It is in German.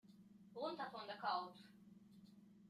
Runter von der Couch!